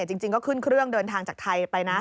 จริงก็ขึ้นเครื่องเดินทางจากไทยไปนะ